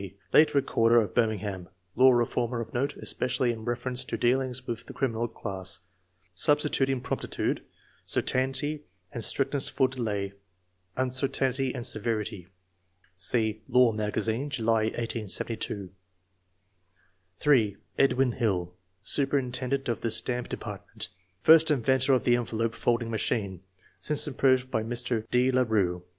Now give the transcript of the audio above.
late recorder of Birmingham ; law reformer of note, especially in reference to dealings with the criminal class, substituting promptitude, certainty and strictness for delay, uncertainty and severity (see Law Magazine ^ July 1 8 72) ; (3) Edwin Hill, superintendent of the stamp department; first inventor of the envelope folding machinCj since improved by Mr. De la Eue.